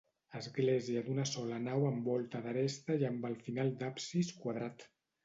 Església d'una sola nau amb volta d'aresta i amb el final d'absis quadrat.